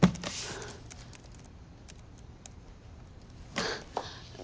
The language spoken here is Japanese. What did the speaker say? あっ。